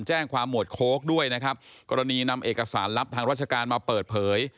หมวดโค้กด้วยนะครับกรณีนำเอกสารลับทางราชการมาเปิดเผย